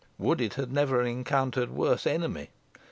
Would it had never encountered worse enemy!